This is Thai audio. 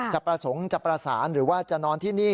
ประสงค์จะประสานหรือว่าจะนอนที่นี่